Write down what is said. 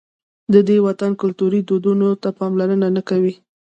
د دې وطن کلتوري دودونو ته پاملرنه نه کوي.